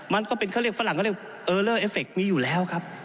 มันก็เป็นเขาเรียกฝรั่งก็เรียกเออเลอร์เอฟเคมีอยู่แล้วครับ